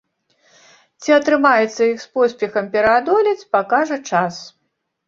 Ці атрымаецца іх з поспехам пераадолець, пакажа час.